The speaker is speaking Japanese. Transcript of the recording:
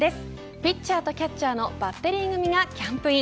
ピッチャーとキャッチャーのバッテリー組がキャンプイン。